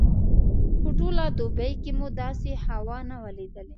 په ټوله دوبي کې مو داسې هوا نه وه لیدلې.